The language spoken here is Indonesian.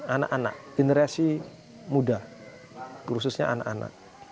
anak anak generasi muda khususnya anak anak